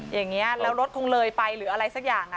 อย่างนี้แล้วรถคงเลยไปหรืออะไรสักอย่าง